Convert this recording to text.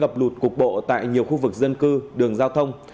ngập lụt cục bộ tại nhiều khu vực dân cư đường giao thông